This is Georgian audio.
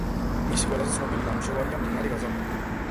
მისი ყველაზე ცნობილი ნამუშევარია „მდინარე გაზაფხულზე“.